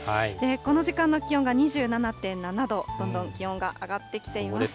この時間の気温が２７．７度、どんどん気温が上がってきています。